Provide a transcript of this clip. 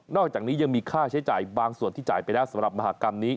อกจากนี้ยังมีค่าใช้จ่ายบางส่วนที่จ่ายไปแล้วสำหรับมหากรรมนี้